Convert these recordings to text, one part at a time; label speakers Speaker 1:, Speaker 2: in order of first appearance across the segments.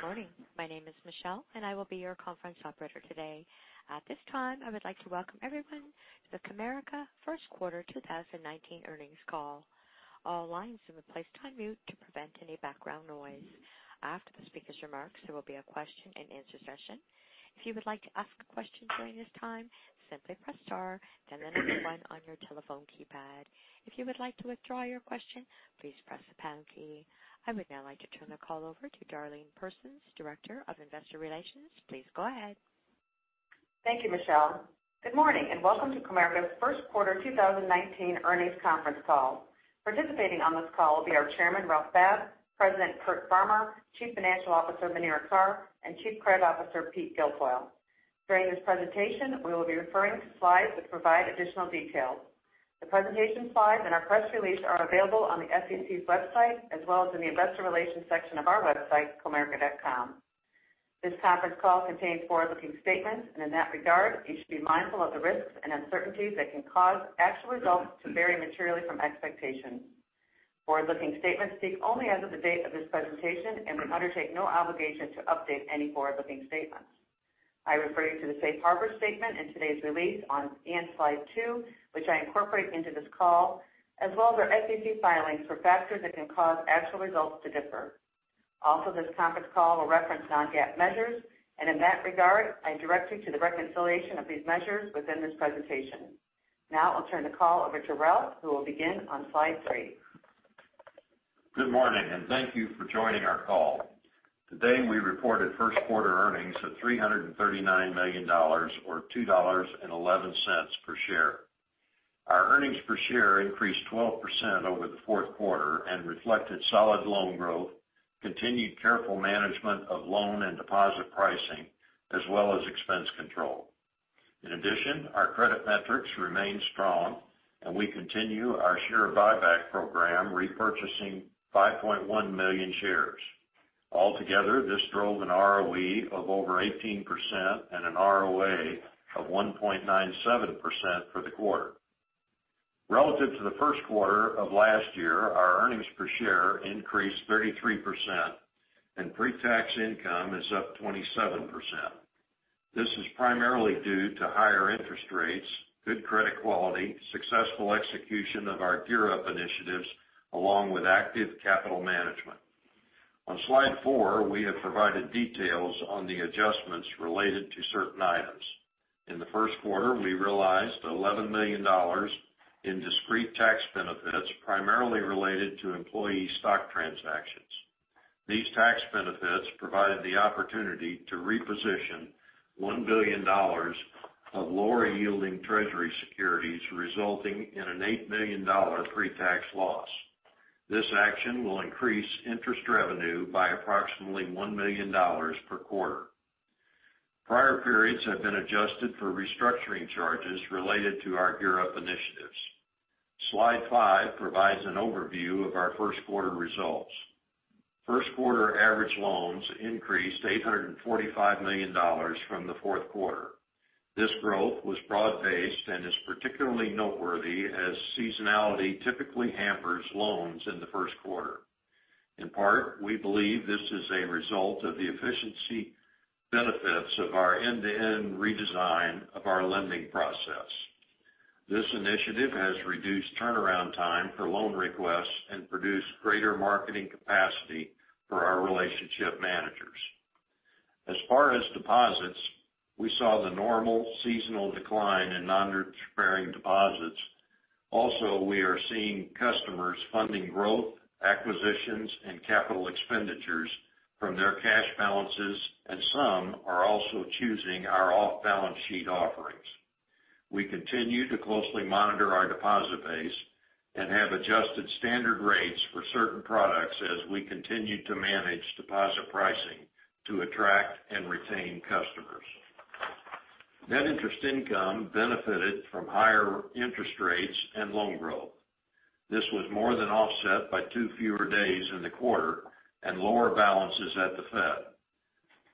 Speaker 1: Good morning. My name is Michelle, and I will be your conference operator today. At this time, I would like to welcome everyone to the Comerica First Quarter 2019 earnings call. All lines have been placed on mute to prevent any background noise. After the speaker's remarks, there will be a question and answer session. If you would like to ask a question during this time, simply press star, then the number one on your telephone keypad. If you would like to withdraw your question, please press the pound key. I would now like to turn the call over to Darlene Persons, Director of Investor Relations. Please go ahead.
Speaker 2: Thank you, Michelle. Good morning and welcome to Comerica's first quarter 2019 earnings conference call. Participating on this call will be our Chairman, Ralph Babb, President, Curt Farmer, Chief Financial Officer, Muneera Carr, and Chief Credit Officer, Peter Guilfoile. During this presentation, we will be referring to slides that provide additional details. The presentation slides and our press release are available on the SEC's website as well as in the investor relations section of our website, comerica.com. This conference call contains forward-looking statements, and in that regard, you should be mindful of the risks and uncertainties that can cause actual results to vary materially from expectations. Forward-looking statements speak only as of the date of this presentation and we undertake no obligation to update any forward-looking statements. I refer you to the safe harbor statement in today's release on and slide two, which I incorporate into this call, as well as our SEC filings for factors that can cause actual results to differ. Also, this conference call will reference non-GAAP measures, and in that regard, I direct you to the reconciliation of these measures within this presentation. Now I'll turn the call over to Ralph, who will begin on slide three.
Speaker 3: Good morning, and thank you for joining our call. Today, we reported first quarter earnings of $339 million, or $2.11 per share. Our earnings per share increased 12% over the fourth quarter and reflected solid loan growth, continued careful management of loan and deposit pricing, as well as expense control. In addition, our credit metrics remain strong, and we continue our share buyback program, repurchasing 5.1 million shares. Altogether, this drove an ROE of over 18% and an ROA of 1.97% for the quarter. Relative to the first quarter of last year, our earnings per share increased 33%, and pre-tax income is up 27%. This is primarily due to higher interest rates, good credit quality, successful execution of our GEAR Up initiatives, along with active capital management. On slide four, we have provided details on the adjustments related to certain items. In the first quarter, we realized $11 million in discrete tax benefits, primarily related to employee stock transactions. These tax benefits provided the opportunity to reposition $1 billion of lower-yielding treasury securities, resulting in an $8 million pre-tax loss. This action will increase interest revenue by approximately $1 million per quarter. Prior periods have been adjusted for restructuring charges related to our GEAR Up initiatives. Slide five provides an overview of our first quarter results. First quarter average loans increased to $845 million from the fourth quarter. This growth was broad-based and is particularly noteworthy as seasonality typically hampers loans in the first quarter. In part, we believe this is a result of the efficiency benefits of our end-to-end redesign of our lending process. This initiative has reduced turnaround time for loan requests and produced greater marketing capacity for our relationship managers. As far as deposits, we saw the normal seasonal decline in non-interest-bearing deposits. We are seeing customers funding growth, acquisitions, and capital expenditures from their cash balances. Some are also choosing our off-balance sheet offerings. We continue to closely monitor our deposit base and have adjusted standard rates for certain products as we continue to manage deposit pricing to attract and retain customers. Net interest income benefited from higher interest rates and loan growth. This was more than offset by two fewer days in the quarter and lower balances at the Fed.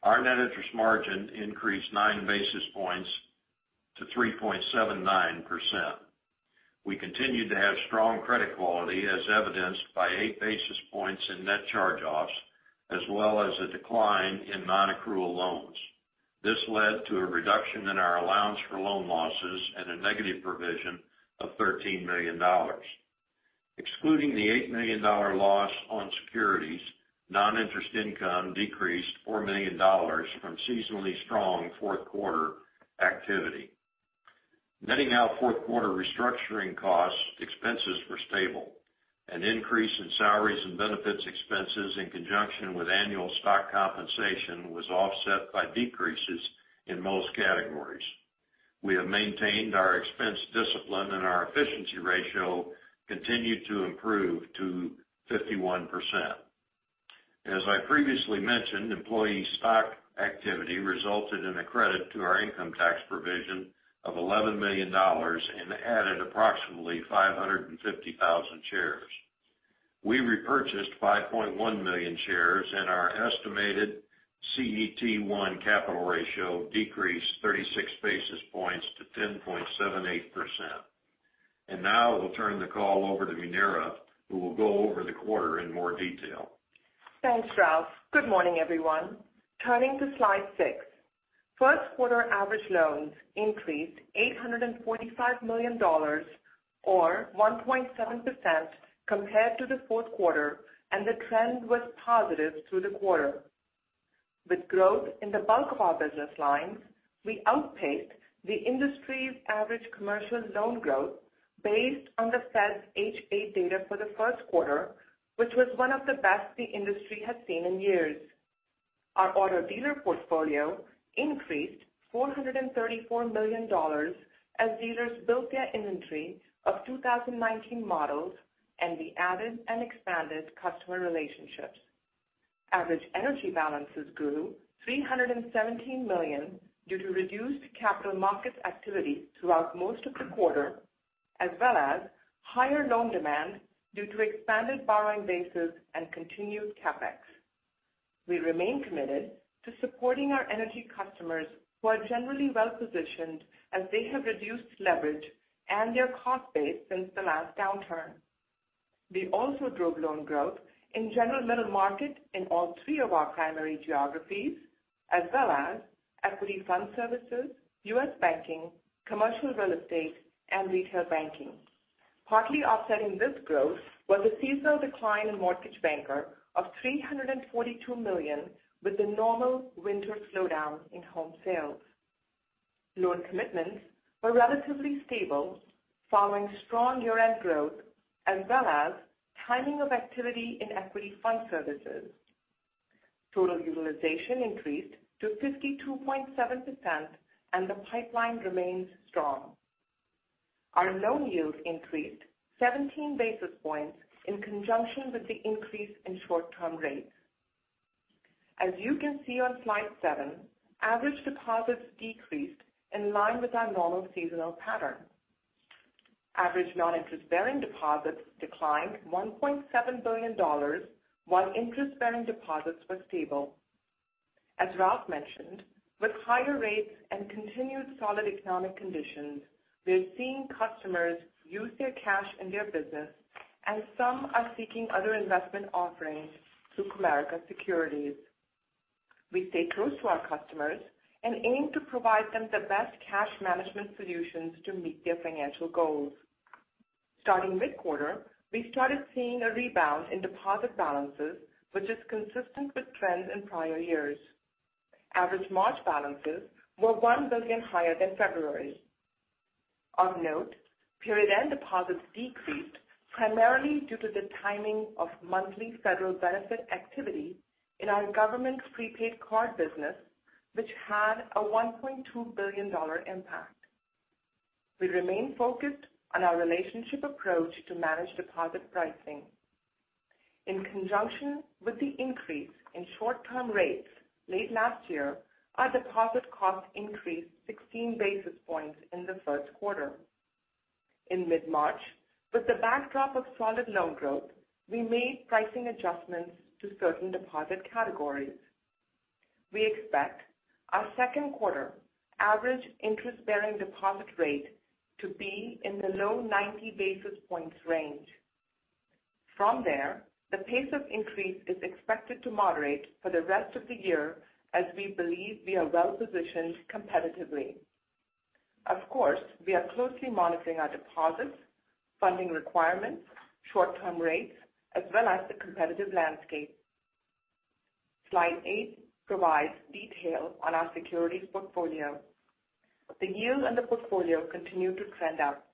Speaker 3: Our net interest margin increased nine basis points to 3.79%. We continued to have strong credit quality, as evidenced by eight basis points in net charge-offs, as well as a decline in non-accrual loans. This led to a reduction in our allowance for loan losses and a negative provision of $13 million. Excluding the $8 million loss on securities, non-interest income decreased $4 million from seasonally strong fourth quarter activity. Netting out fourth quarter restructuring costs, expenses were stable. An increase in salaries and benefits expenses in conjunction with annual stock compensation was offset by decreases in most categories. We have maintained our expense discipline, and our efficiency ratio continued to improve to 51%. As I previously mentioned, employee stock activity resulted in a credit to our income tax provision of $11 million and added approximately 550,000 shares. We repurchased 5.1 million shares, and our estimated CET1 capital ratio decreased 36 basis points to 10.78%. Now I will turn the call over to Muneera, who will go over the quarter in more detail.
Speaker 4: Thanks, Ralph. Good morning, everyone. Turning to Slide six. First quarter average loans increased $845 million, or 1.7% compared to the fourth quarter. The trend was positive through the quarter. With growth in the bulk of our business lines, we outpaced the industry's average commercial loan growth based on the Fed's H8 data for the first quarter, which was one of the best the industry has seen in years. Our auto dealer portfolio increased $434 million as dealers built their inventory of 2019 models. We added and expanded customer relationships. Average energy balances grew $317 million due to reduced capital markets activity throughout most of the quarter, as well as higher loan demand due to expanded borrowing bases and continued CapEx. We remain committed to supporting our energy customers who are generally well-positioned as they have reduced leverage and their cost base since the last downturn. We also drove loan growth in general middle market in all three of our primary geographies, as well as equity fund services, U.S. banking, commercial real estate, and retail banking. Partly offsetting this growth was a seasonal decline in mortgage banker of $342 million with the normal winter slowdown in home sales. Loan commitments were relatively stable following strong year-end growth as well as timing of activity in equity fund services. Total utilization increased to 52.7%, and the pipeline remains strong. Our loan yield increased 17 basis points in conjunction with the increase in short-term rates. As you can see on slide seven, average deposits decreased in line with our normal seasonal pattern. Average non-interest-bearing deposits declined $1.7 billion, while interest-bearing deposits were stable. As Ralph mentioned, with higher rates and continued solid economic conditions, we're seeing customers use their cash in their business and some are seeking other investment offerings through Comerica Securities. We stay close to our customers and aim to provide them the best cash management solutions to meet their financial goals. Starting mid-quarter, we started seeing a rebound in deposit balances, which is consistent with trends in prior years. Average March balances were $1 billion higher than February's. Of note, period-end deposits decreased primarily due to the timing of monthly federal benefit activity in our government prepaid card business, which had a $1.2 billion impact. We remain focused on our relationship approach to manage deposit pricing. In conjunction with the increase in short-term rates late last year, our deposit cost increased 16 basis points in the first quarter. In mid-March, with the backdrop of solid loan growth, we made pricing adjustments to certain deposit categories. We expect our second quarter average interest-bearing deposit rate to be in the low 90 basis points range. From there, the pace of increase is expected to moderate for the rest of the year as we believe we are well-positioned competitively. Of course, we are closely monitoring our deposits, funding requirements, short-term rates, as well as the competitive landscape. Slide eight provides detail on our securities portfolio. The yield on the portfolio continued to trend up.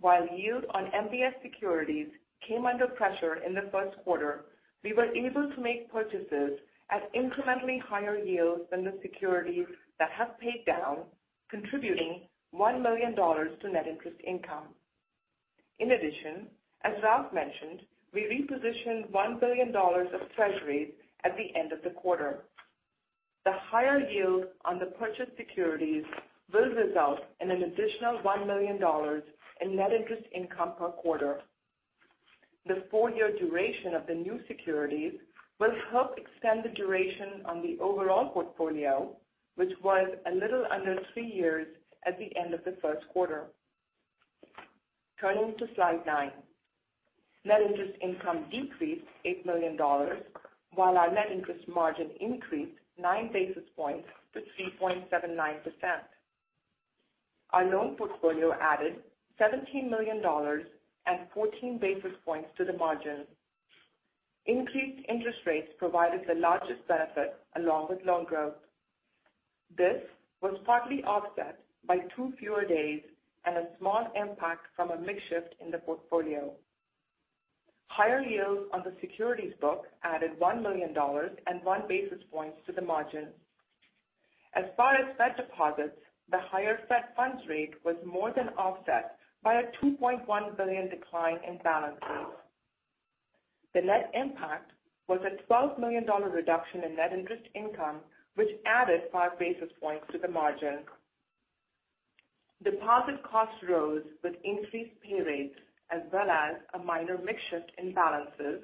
Speaker 4: While yield on MBS securities came under pressure in the first quarter, we were able to make purchases at incrementally higher yields than the securities that have paid down, contributing $1 million to net interest income. In addition, as Ralph mentioned, we repositioned $1 billion of treasuries at the end of the quarter. The higher yield on the purchased securities will result in an additional $1 million in net interest income per quarter. The four-year duration of the new securities will help extend the duration on the overall portfolio, which was a little under three years at the end of the first quarter. Turning to slide nine. Net interest income decreased $8 million, while our net interest margin increased nine basis points to 3.79%. Our loan portfolio added $17 million and 14 basis points to the margin. Increased interest rates provided the largest benefit along with loan growth. This was partly offset by two fewer days and a small impact from a mix shift in the portfolio. Higher yields on the securities book added $1 million and one basis point to the margin. As far as Fed deposits, the higher Fed funds rate was more than offset by a $2.1 billion decline in balances. The net impact was a $12 million reduction in net interest income, which added five basis points to the margin. Deposit costs rose with increased pay rates as well as a minor mix shift in balances,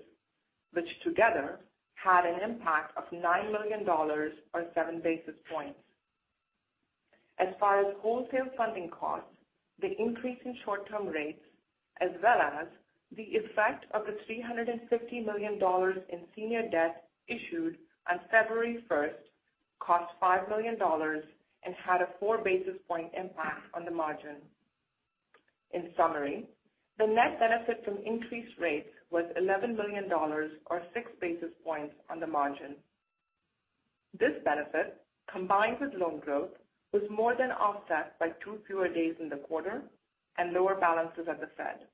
Speaker 4: which together had an impact of $9 million or seven basis points. As far as wholesale funding costs, the increase in short-term rates as well as the effect of the $350 million in senior debt issued on February 1st cost $5 million and had a four basis point impact on the margin. In summary, the net benefit from increased rates was $11 million or six basis points on the margin. This benefit, combined with loan growth, was more than offset by two fewer days in the quarter and lower balances at the Fed.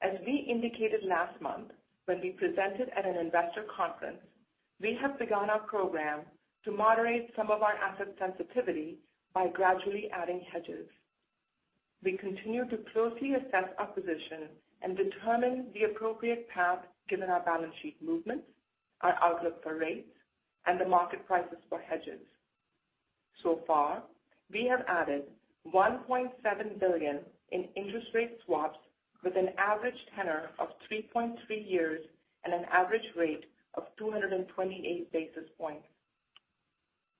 Speaker 4: As we indicated last month when we presented at an investor conference, we have begun our program to moderate some of our asset sensitivity by gradually adding hedges. We continue to closely assess our position and determine the appropriate path given our balance sheet movements, our outlook for rates, and the market prices for hedges. So far, we have added $1.7 billion in interest rate swaps with an average tenor of 3.3 years and an average rate of 228 basis points.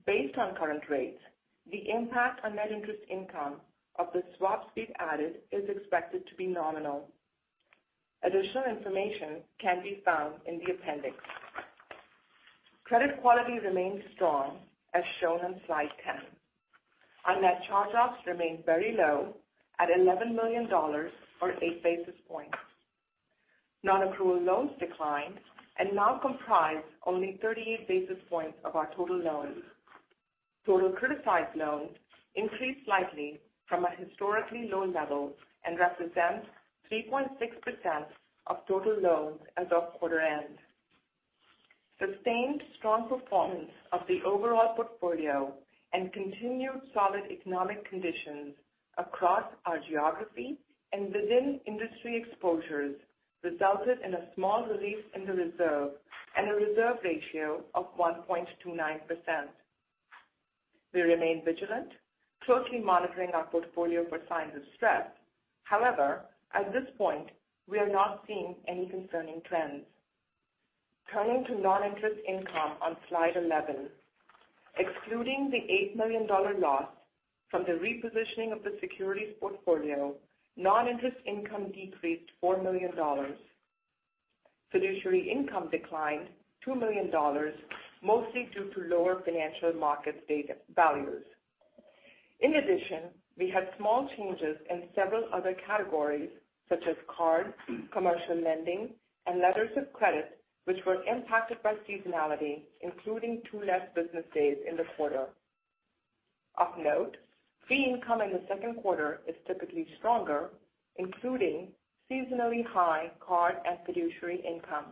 Speaker 4: Based on current rates, the impact on net interest income of the swaps we've added is expected to be nominal. Additional information can be found in the appendix. Credit quality remains strong, as shown on slide 10. Our net charge-offs remain very low at $11 million or eight basis points. Non-accrual loans declined and now comprise only 38 basis points of our total loans. Total criticized loans increased slightly from a historically low level and represent 3.6% of total loans as of quarter end. Sustained strong performance of the overall portfolio and continued solid economic conditions across our geography and within industry exposures resulted in a small relief in the reserve and a reserve ratio of 1.29%. We remain vigilant, closely monitoring our portfolio for signs of stress. However, at this point, we are not seeing any concerning trends. Turning to non-interest income on slide 11. Excluding the $8 million loss from the repositioning of the securities portfolio, non-interest income decreased $4 million. Fiduciary income declined $2 million, mostly due to lower financial markets data values. In addition, we had small changes in several other categories such as card, commercial lending, and letters of credit, which were impacted by seasonality, including two less business days in the quarter. Of note, fee income in the second quarter is typically stronger, including seasonally high card and fiduciary income.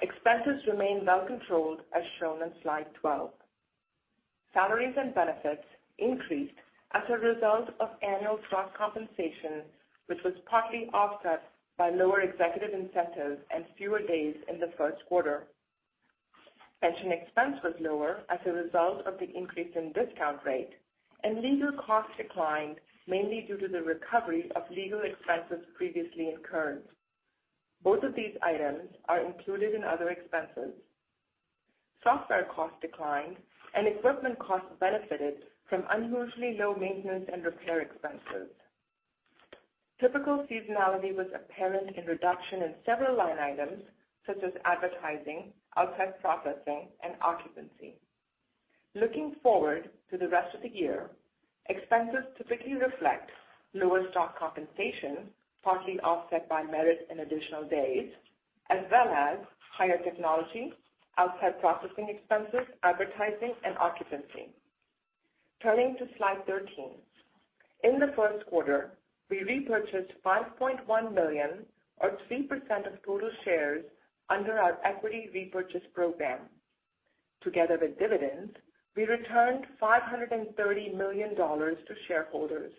Speaker 4: Expenses remain well controlled as shown on slide 12. Salaries and benefits increased as a result of annual stock compensation, which was partly offset by lower executive incentives and fewer days in the first quarter. Pension expense was lower as a result of the increase in discount rate, and legal costs declined mainly due to the recovery of legal expenses previously incurred. Both of these items are included in other expenses. Software costs declined and equipment costs benefited from unusually low maintenance and repair expenses. Typical seasonality was apparent in reduction in several line items such as advertising, outside processing, and occupancy. Looking forward to the rest of the year, expenses typically reflect lower stock compensation, partly offset by merit and additional days, as well as higher technology, outside processing expenses, advertising, and occupancy. Turning to slide 13. In the first quarter, we repurchased $5.1 million or 3% of total shares under our equity repurchase program. Together with dividends, we returned $530 million to shareholders.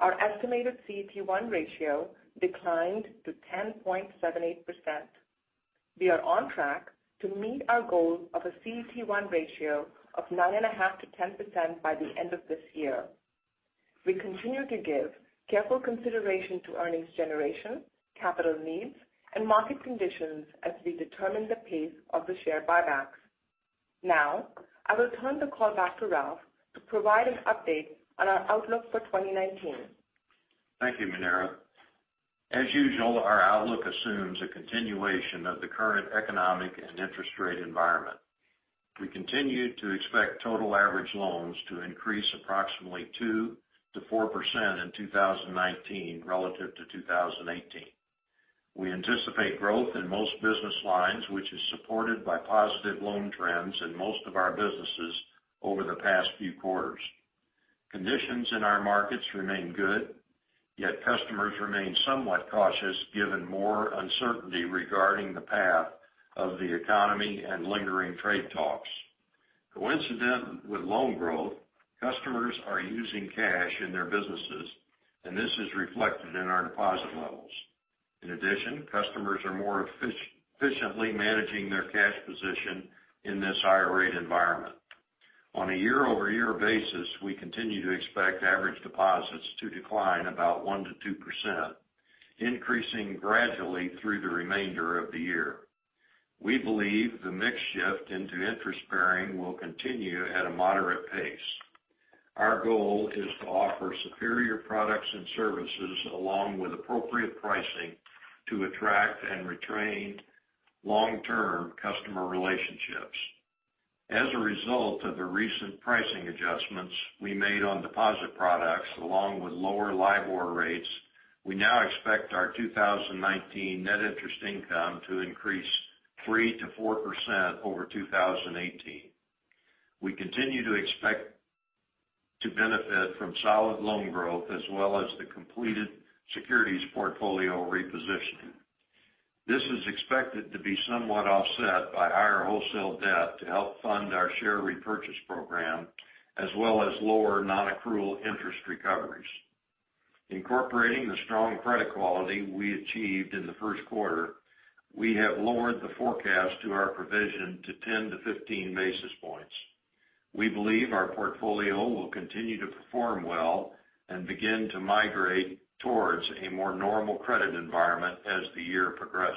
Speaker 4: Our estimated CET1 ratio declined to 10.78%. We are on track to meet our goal of a CET1 ratio of 9.5% to 10% by the end of this year. We continue to give careful consideration to earnings generation, capital needs, and market conditions as we determine the pace of the share buybacks. I will turn the call back to Ralph to provide an update on our outlook for 2019.
Speaker 3: Thank you, Muneera. As usual, our outlook assumes a continuation of the current economic and interest rate environment. We continue to expect total average loans to increase approximately 2% to 4% in 2019 relative to 2018. We anticipate growth in most business lines, which is supported by positive loan trends in most of our businesses over the past few quarters. Conditions in our markets remain good, yet customers remain somewhat cautious given more uncertainty regarding the path of the economy and lingering trade talks. Coincident with loan growth, customers are using cash in their businesses, and this is reflected in our deposit levels. In addition, customers are more efficiently managing their cash position in this higher rate environment. On a year-over-year basis, we continue to expect average deposits to decline about 1% to 2%, increasing gradually through the remainder of the year. We believe the mix shift into interest bearing will continue at a moderate pace. Our goal is to offer superior products and services along with appropriate pricing to attract and retain long-term customer relationships. As a result of the recent pricing adjustments we made on deposit products, along with lower LIBOR rates, we now expect our 2019 net interest income to increase 3% to 4% over 2018. We continue to expect to benefit from solid loan growth as well as the completed securities portfolio repositioning. This is expected to be somewhat offset by higher wholesale debt to help fund our share repurchase program, as well as lower non-accrual interest recoveries. Incorporating the strong credit quality we achieved in the first quarter, we have lowered the forecast to our provision to 10-15 basis points. We believe our portfolio will continue to perform well and begin to migrate towards a more normal credit environment as the year progresses.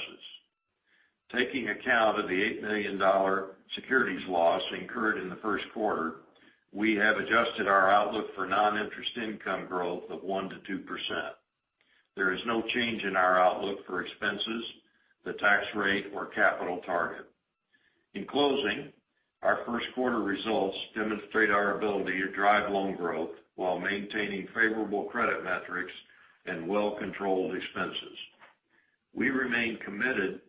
Speaker 3: Taking account of the $8 million securities loss incurred in the first quarter, we have adjusted our outlook for non-interest income growth of 1% to 2%. There is no change in our outlook for expenses, the tax rate or capital target. In closing, our first quarter results demonstrate our ability to drive loan growth while maintaining favorable credit metrics and well-controlled expenses. We remain committed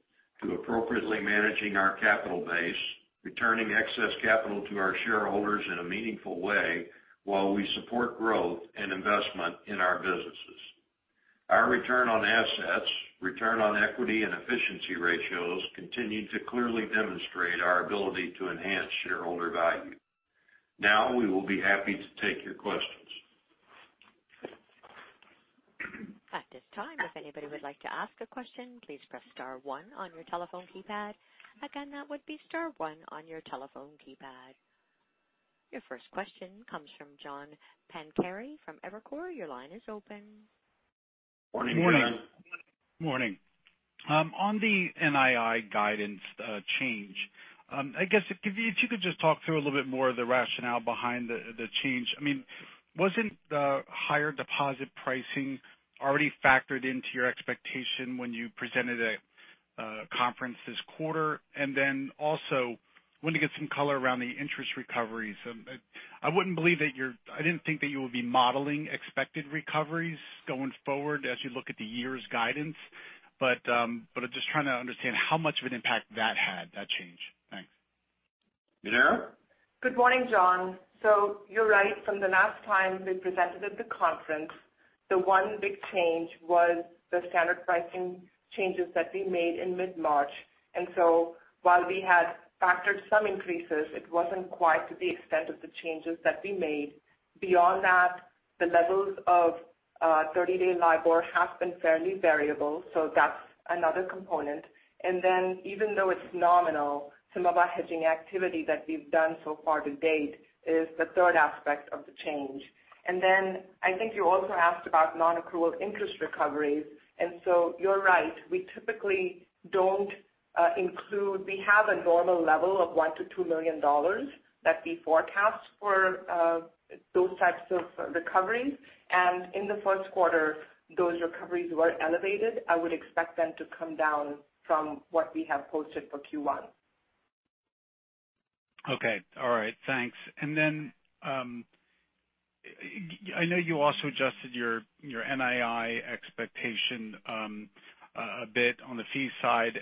Speaker 3: to appropriately managing our capital base, returning excess capital to our shareholders in a meaningful way while we support growth and investment in our businesses. Our ROA, ROE and efficiency ratios continue to clearly demonstrate our ability to enhance shareholder value. We will be happy to take your questions.
Speaker 1: At this time, if anybody would like to ask a question, please press star one on your telephone keypad. Again, that would be star one on your telephone keypad. Your first question comes from John Pancari from Evercore. Your line is open.
Speaker 3: Morning, John.
Speaker 5: Morning. On the NII guidance change, I guess if you could just talk through a little bit more of the rationale behind the change. Wasn't the higher deposit pricing already factored into your expectation when you presented at conference this quarter? Also, wanted to get some color around the interest recoveries. I didn't think that you would be modeling expected recoveries going forward as you look at the year's guidance. I'm just trying to understand how much of an impact that had, that change. Thanks.
Speaker 3: Muneera?
Speaker 4: Good morning, John. You're right, from the last time we presented at the conference, the one big change was the standard pricing changes that we made in mid-March. While we had factored some increases, it wasn't quite to the extent of the changes that we made. Beyond that, the levels of 30-day LIBOR have been fairly variable, so that's another component. Even though it's nominal, some of our hedging activity that we've done so far to date is the third aspect of the change. I think you also asked about non-accrual interest recoveries. You're right, we typically don't include. We have a normal level of $1 million to $2 million that we forecast for those types of recoveries, and in the first quarter, those recoveries were elevated. I would expect them to come down from what we have posted for Q1.
Speaker 5: Okay. All right. Thanks. Then I know you also adjusted your NII expectation a bit on the fee side,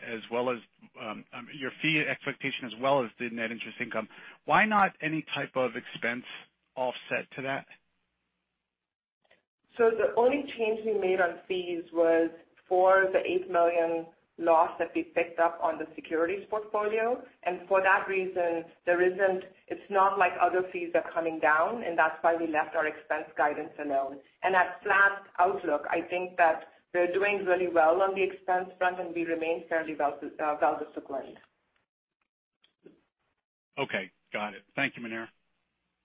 Speaker 5: your fee expectation as well as the net interest income. Why not any type of expense offset to that?
Speaker 4: The only change we made on fees was for the $8 million loss that we picked up on the securities portfolio. For that reason, it's not like other fees are coming down, and that's why we left our expense guidance alone. At flat outlook, I think that we're doing really well on the expense front, and we remain fairly well disciplined.
Speaker 5: Okay, got it. Thank you, Muneera.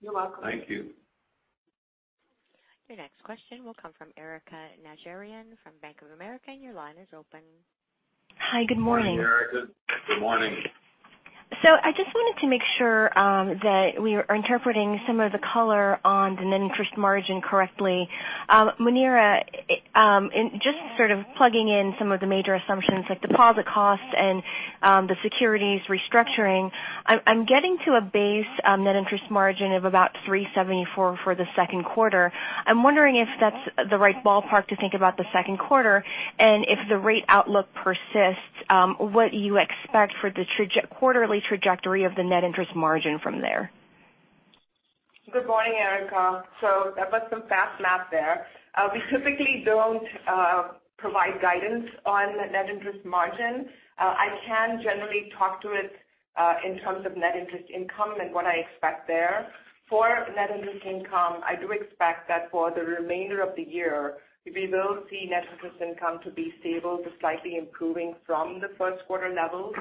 Speaker 4: You're welcome.
Speaker 3: Thank you.
Speaker 1: Your next question will come from Erika Najarian from Bank of America, and your line is open.
Speaker 6: Hi, good morning.
Speaker 3: Morning, Erika. Good morning.
Speaker 6: I just wanted to make sure that we are interpreting some of the color on the net interest margin correctly. Muneera, just sort of plugging in some of the major assumptions like deposit costs and the securities restructuring. I'm getting to a base net interest margin of about 374 for the second quarter. I'm wondering if that's the right ballpark to think about the second quarter, and if the rate outlook persists, what you expect for the quarterly trajectory of the net interest margin from there.
Speaker 4: Good morning, Erika. That was some fast math there. We typically don't provide guidance on net interest margin. I can generally talk to it in terms of net interest income and what I expect there. For net interest income, I do expect that for the remainder of the year, we will see net interest income to be stable to slightly improving from the first quarter levels.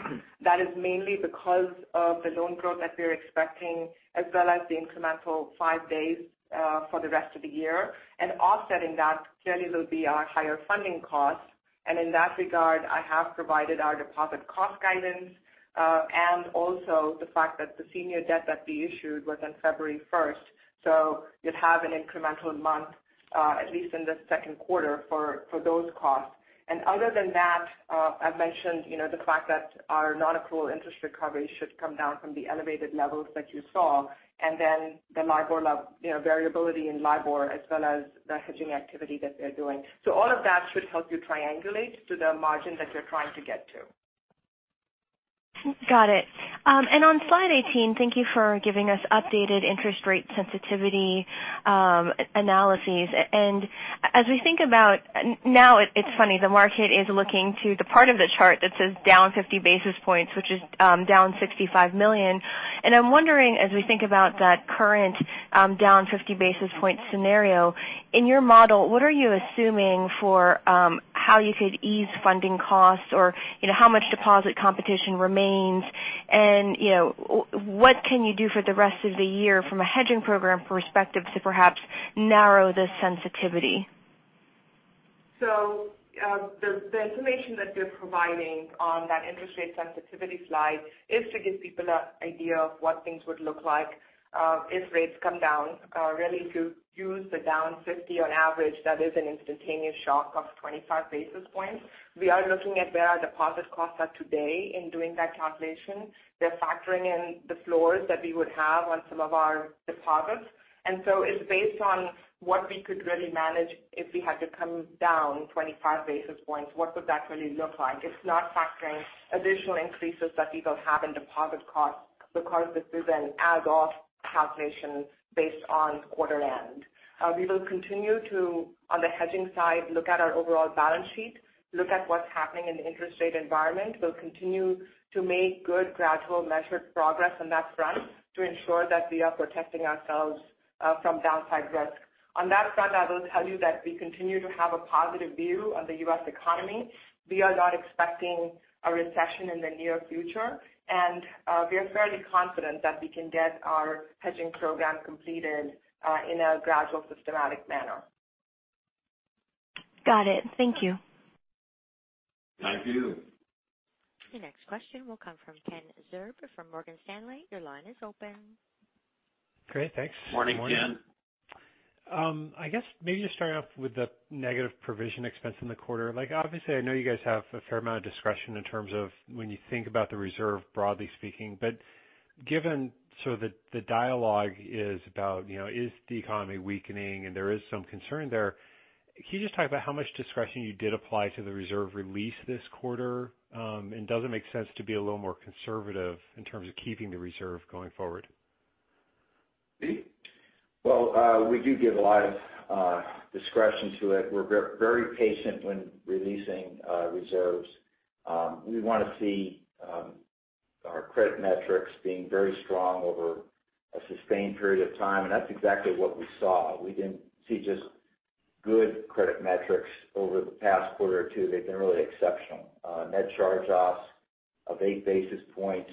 Speaker 4: That is mainly because of the loan growth that we're expecting, as well as the incremental five days for the rest of the year. Offsetting that clearly will be our higher funding costs. In that regard, I have provided our deposit cost guidance, and also the fact that the senior debt that we issued was on February 1st. You'd have an incremental month, at least in the second quarter, for those costs. Other than that, I've mentioned the fact that our non-accrual interest recovery should come down from the elevated levels that you saw, and then the variability in LIBOR as well as the hedging activity that they're doing. All of that should help you triangulate to the margin that we're trying to get to.
Speaker 6: Got it. On slide 18, thank you for giving us updated interest rate sensitivity analyses. As we think about now, it's funny, the market is looking to the part of the chart that says down 50 basis points, which is down $65 million. I'm wondering as we think about that current down 50 basis point scenario, in your model, what are you assuming for how you could ease funding costs or how much deposit competition remains? What can you do for the rest of the year from a hedging program perspective to perhaps narrow the sensitivity?
Speaker 4: The information that we're providing on that interest rate sensitivity slide is to give people an idea of what things would look like if rates come down. Really to use the down 50 on average, that is an instantaneous shock of 25 basis points. We are looking at where our deposit costs are today in doing that calculation. We're factoring in the floors that we would have on some of our deposits. It's based on what we could really manage if we had to come down 25 basis points. What would that really look like? It's not factoring additional increases that we will have in deposit costs because this is an as of calculation based on quarter end. We will continue to, on the hedging side, look at our overall balance sheet, look at what's happening in the interest rate environment. We'll continue to make good gradual measured progress on that front to ensure that we are protecting ourselves from downside risk. On that front, I will tell you that we continue to have a positive view of the U.S. economy. We are not expecting a recession in the near future. We are fairly confident that we can get our hedging program completed in a gradual, systematic manner.
Speaker 6: Got it. Thank you.
Speaker 3: Thank you.
Speaker 1: The next question will come from Kenneth Zerbe from Morgan Stanley. Your line is open.
Speaker 7: Great. Thanks.
Speaker 3: Morning, Ken.
Speaker 7: Morning. I guess maybe just starting off with the negative provision expense in the quarter. Obviously, I know you guys have a fair amount of discretion in terms of when you think about the reserve, broadly speaking. Given so that the dialogue is about is the economy weakening and there is some concern there, can you just talk about how much discretion you did apply to the reserve release this quarter? Does it make sense to be a little more conservative in terms of keeping the reserve going forward?
Speaker 3: Steve?
Speaker 4: Well, we do give a lot of discretion to it. We're very patient when releasing reserves. We want to see our credit metrics being very strong over a sustained period of time, and that's exactly what we saw. We didn't see just good credit metrics over the past quarter or two. They've been really exceptional. Net charge-offs of eight basis points.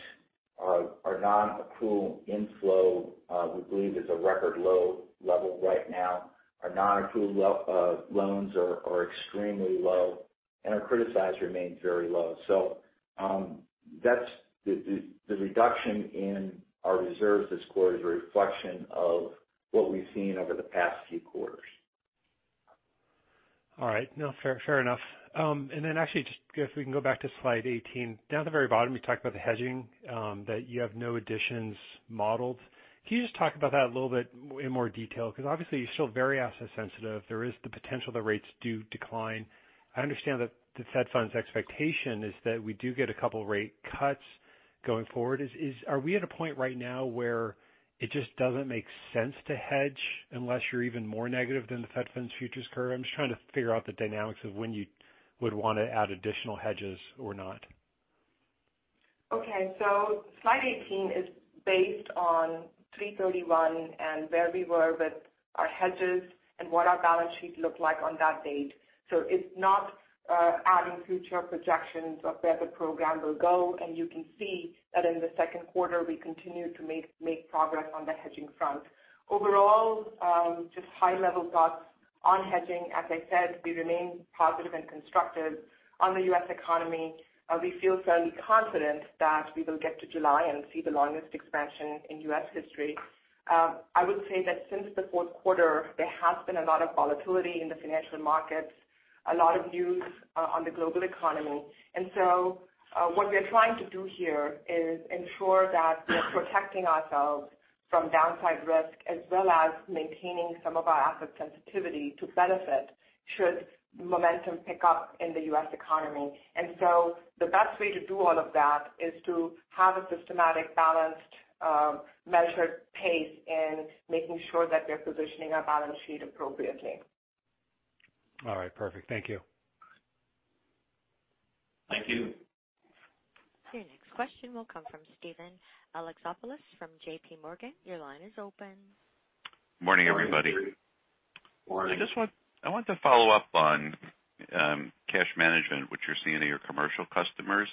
Speaker 4: Our non-accrual inflow we believe is a record low level right now. Our non-accrual loans are extremely low, and our criticize remains very low. The reduction in our reserve this quarter is a reflection of what we've seen over the past few quarters.
Speaker 7: All right. No, fair enough. Actually, just if we can go back to slide 18. Down at the very bottom, you talked about the hedging, that you have no additions modeled. Can you just talk about that a little bit in more detail? Because obviously you're still very asset sensitive. There is the potential that rates do decline. I understand that the Fed funds expectation is that we do get a couple of rate cuts going forward. Are we at a point right now where it just doesn't make sense to hedge unless you're even more negative than the Fed funds futures curve? I'm just trying to figure out the dynamics of when you would want to add additional hedges or not.
Speaker 4: Okay. Slide 18 is based on 3/31 and where we were with our hedges and what our balance sheet looked like on that date. It's not adding future projections of where the program will go, you can see that in the second quarter, we continued to make progress on the hedging front. Overall, just high-level thoughts on hedging. As I said, we remain positive and constructive on the U.S. economy. We feel fairly confident that we will get to July and see the longest expansion in U.S. history. I would say that since the fourth quarter, there has been a lot of volatility in the financial markets, a lot of news on the global economy. What we're trying to do here is ensure that we're protecting ourselves from downside risk, as well as maintaining some of our asset sensitivity to benefit should momentum pick up in the U.S. economy. The best way to do all of that is to have a systematic, balanced, measured pace in making sure that we're positioning our balance sheet appropriately.
Speaker 7: All right. Perfect. Thank you.
Speaker 3: Thank you.
Speaker 1: Your next question will come from Steven Alexopoulos from JPMorgan. Your line is open.
Speaker 8: Morning, everybody. I want to follow up on cash management, which you're seeing in your commercial customers.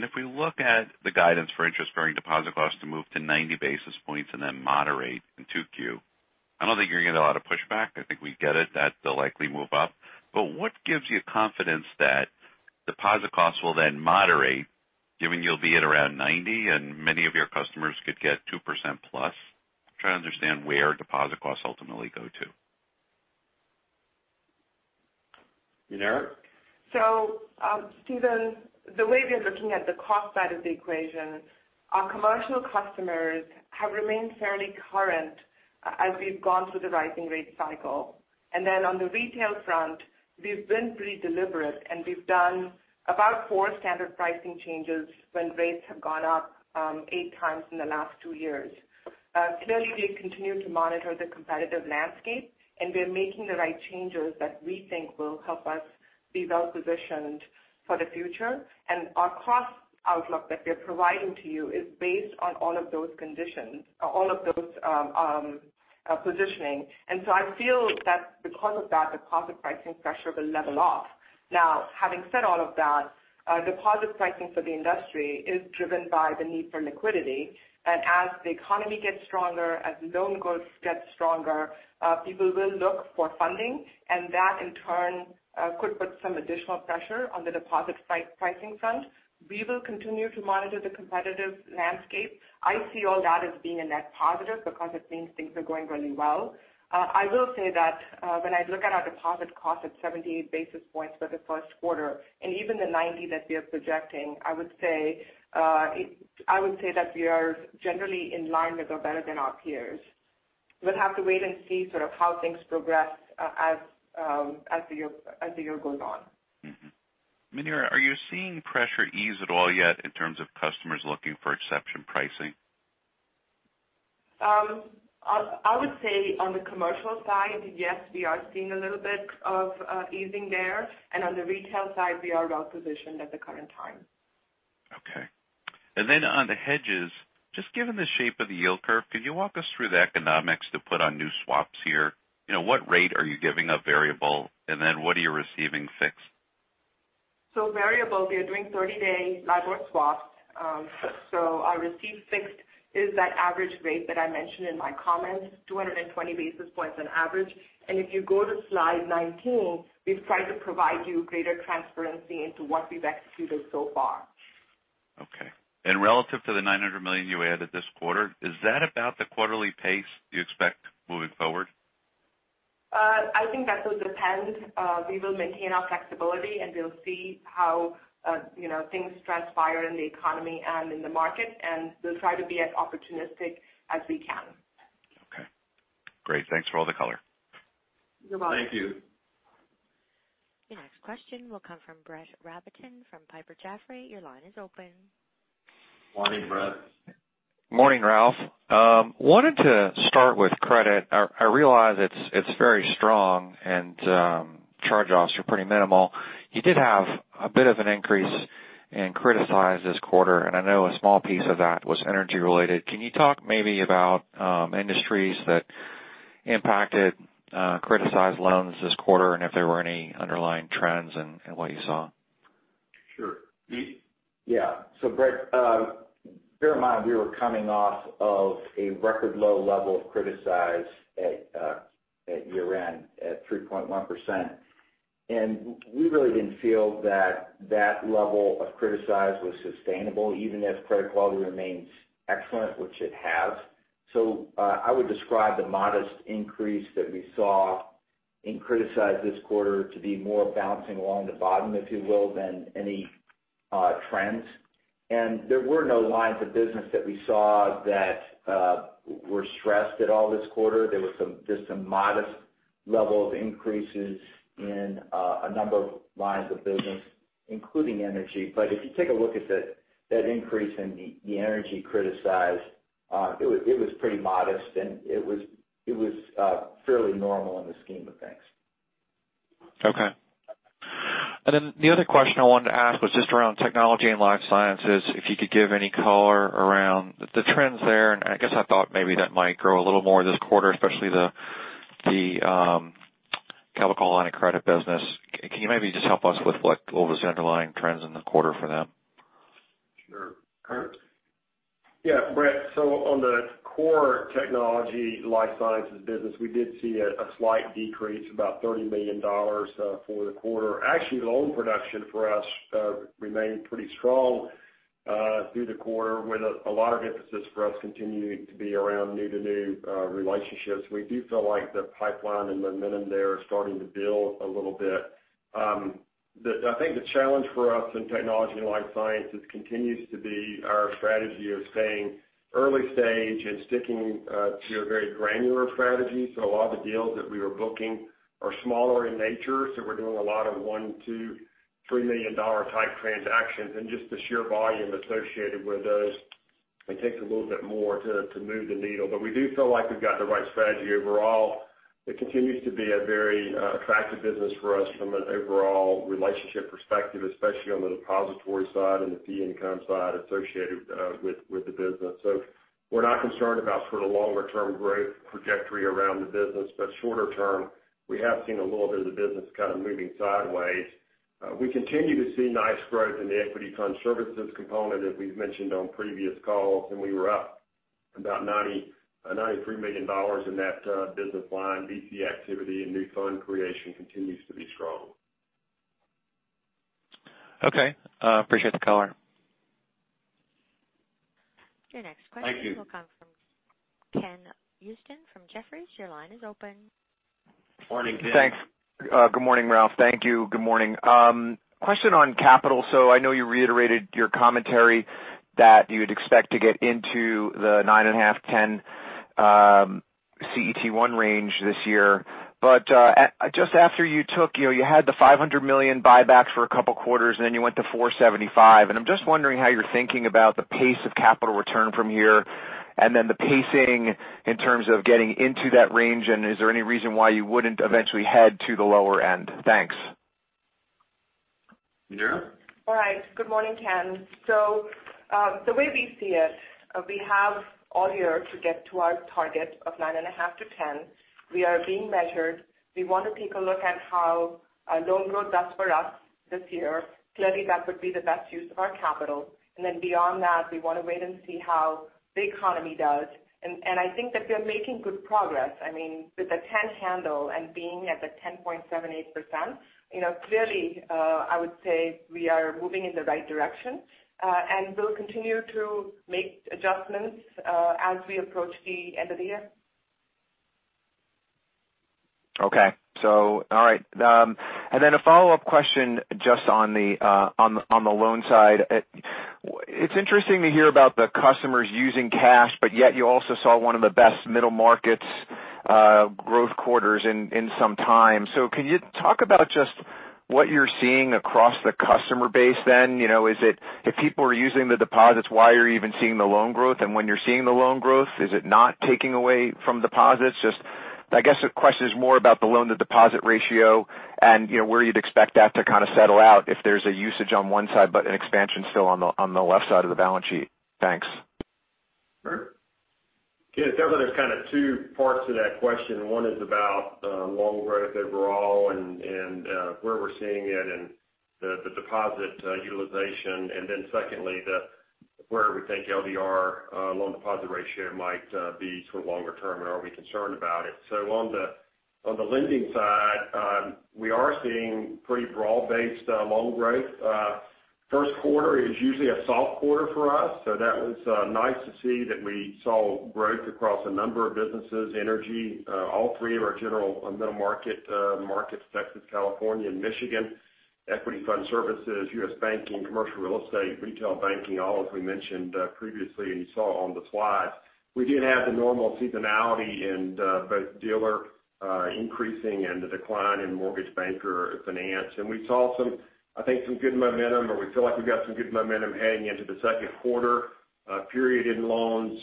Speaker 8: If we look at the guidance for interest-bearing deposit costs to move to 90 basis points and then moderate in 2Q, I don't think you're going to get a lot of pushback. I think we get it, that they'll likely move up. What gives you confidence that deposit costs will then moderate, given you'll be at around 90, and many of your customers could get 2% plus? I'm trying to understand where deposit costs ultimately go to.
Speaker 3: Muneera?
Speaker 4: Steven, the way we're looking at the cost side of the equation, our commercial customers have remained fairly current as we've gone through the rising rate cycle. On the retail front, we've been pretty deliberate and we've done about four standard pricing changes when rates have gone up eight times in the last two years. Clearly, we continue to monitor the competitive landscape, we're making the right changes that we think will help us be well-positioned for the future. Our cost outlook that we're providing to you is based on all of those conditions or all of those positioning. I feel that because of that, deposit pricing pressure will level off. Now, having said all of that, deposit pricing for the industry is driven by the need for liquidity. As the economy gets stronger, as loan growth gets stronger, people will look for funding, and that in turn could put some additional pressure on the deposit pricing front. We will continue to monitor the competitive landscape. I see all that as being a net positive because it means things are going really well. I will say that when I look at our deposit cost at 78 basis points for the first quarter, and even the 90 that we are projecting, I would say that we are generally in line with or better than our peers. We'll have to wait and see how things progress as the year goes on.
Speaker 8: Muneera, are you seeing pressure ease at all yet in terms of customers looking for exception pricing?
Speaker 4: I would say on the commercial side, yes, we are seeing a little bit of easing there. On the retail side, we are well positioned at the current time.
Speaker 8: Okay. On the hedges, just given the shape of the yield curve, could you walk us through the economics to put on new swaps here? What rate are you giving up variable, and what are you receiving fixed?
Speaker 4: Variable, we are doing 30-day LIBOR swaps. Our received fixed is that average rate that I mentioned in my comments, 228 basis points on average. If you go to slide 19, we've tried to provide you greater transparency into what we've executed so far.
Speaker 8: Okay. Relative to the $900 million you added this quarter, is that about the quarterly pace you expect moving forward?
Speaker 4: I think that will depend. We will maintain our flexibility, and we'll see how things transpire in the economy and in the market, and we'll try to be as opportunistic as we can.
Speaker 8: Okay. Great. Thanks for all the color.
Speaker 4: You're welcome.
Speaker 3: Thank you.
Speaker 1: Your next question will come from Brett Rabatin from Piper Jaffray. Your line is open.
Speaker 3: Morning, Brett.
Speaker 9: Morning, Ralph. Wanted to start with credit. I realize it's very strong and charge-offs are pretty minimal. You did have a bit of an increase in criticized this quarter, I know a small piece of that was energy-related. Can you talk maybe about industries that impacted criticized loans this quarter, and if there were any underlying trends in what you saw?
Speaker 3: Sure. Pete?
Speaker 10: Yeah. Brett, bear in mind we were coming off of a record low level of criticized at year-end, at 3.1%. We really didn't feel that that level of criticized was sustainable, even as credit quality remains excellent, which it has. I would describe the modest increase that we saw in criticized this quarter to be more bouncing along the bottom, if you will, than any trends. There were no lines of business that we saw that were stressed at all this quarter. There's some modest level of increases in a number of lines of business, including energy. If you take a look at that increase in the energy criticized, it was pretty modest and it was fairly normal in the scheme of things.
Speaker 9: Okay. The other question I wanted to ask was just around technology and life sciences, if you could give any color around the trends there, and I guess I thought maybe that might grow a little more this quarter, especially the chemical line of credit business. Can you maybe just help us with what was the underlying trends in the quarter for that?
Speaker 3: Sure. Curt?
Speaker 11: Yeah, Brett. On the core technology life sciences business, we did see a slight decrease, about $30 million for the quarter. Actually, loan production for us remained pretty strong through the quarter with a lot of emphasis for us continuing to be around new-to-new relationships. We do feel like the pipeline and momentum there are starting to build a little bit. I think the challenge for us in technology and life sciences continues to be our strategy of staying early stage and sticking to a very granular strategy. A lot of the deals that we are booking are smaller in nature, so we're doing a lot of 1, 2, $3 million type transactions and just the sheer volume associated with those. It takes a little bit more to move the needle. We do feel like we've got the right strategy overall. It continues to be a very attractive business for us from an overall relationship perspective, especially on the depository side and the fee income side associated with the business. We're not concerned about sort of longer term growth trajectory around the business. Shorter term, we have seen a little bit of the business kind of moving sideways. We continue to see nice growth in the equity fund services component, as we've mentioned on previous calls, and we were up about $93 million in that business line. VC activity and new fund creation continues to be strong.
Speaker 9: Okay. Appreciate the color.
Speaker 1: Your next question-
Speaker 11: Thank you.
Speaker 1: Will come from Ken Usdin from Jefferies. Your line is open.
Speaker 3: Morning, Ken.
Speaker 12: Thanks. Good morning, Ralph. Thank you. Good morning. Question on capital. I know you reiterated your commentary that you would expect to get into the nine and a half, 10 CET1 range this year. But just after you took, you had the $500 million buybacks for a couple of quarters, and then you went to $475. I'm just wondering how you're thinking about the pace of capital return from here and then the pacing in terms of getting into that range. Is there any reason why you wouldn't eventually head to the lower end? Thanks.
Speaker 3: Muneera?
Speaker 4: All right. Good morning, Ken. The way we see it, we have all year to get to our target of nine and a half to 10. We are being measured. We want to take a look at how loan growth does for us this year. Clearly, that would be the best use of our capital. Then beyond that, we want to wait and see how the economy does. I think that we are making good progress. With the 10 handle and being at the 10.78%, clearly, I would say we are moving in the right direction. We'll continue to make adjustments as we approach the end of the year.
Speaker 12: Okay. All right. Then a follow-up question just on the loan side. It's interesting to hear about the customers using cash, but yet you also saw one of the best middle markets growth quarters in some time. Can you talk about just what you're seeing across the customer base then? If people are using the deposits, why are you even seeing the loan growth? When you're seeing the loan growth, is it not taking away from deposits? Just, I guess the question is more about the loan-to-deposit ratio and where you'd expect that to kind of settle out if there's a usage on one side, but an expansion still on the left side of the balance sheet. Thanks.
Speaker 11: Sure. Definitely there's two parts to that question. One is about loan growth overall and where we're seeing it and the deposit utilization. Secondly, where we think LDR, loan deposit ratio, might be longer term, and are we concerned about it? On the lending side, we are seeing pretty broad-based loan growth. First quarter is usually a soft quarter for us, that was nice to see that we saw growth across a number of businesses, energy, all three of our general middle market markets, Texas, California, and Michigan, equity fund services, U.S. banking, commercial real estate, retail banking, all as we mentioned previously, and you saw on the slides. We did have the normal seasonality in both dealer increasing and the decline in mortgage banker finance. We saw some good momentum, or we feel like we've got some good momentum heading into the second quarter period in loans.